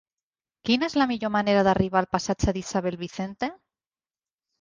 Quina és la millor manera d'arribar al passatge d'Isabel Vicente?